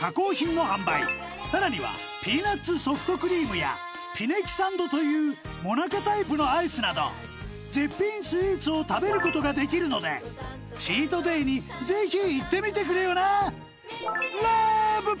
ちなみに館山にあるさらにはピネキサンドというもなかタイプのアイスなど絶品スイーツを食べることができるのでチートデイにぜひ行ってみてくれよなラブ！